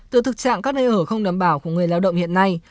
từ thực trạng các nơi ở không đảm bảo của người lao động hiện nay